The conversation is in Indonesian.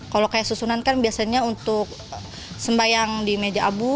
kalau kayak susunan kan biasanya untuk sembahyang di meja abu